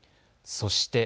そして。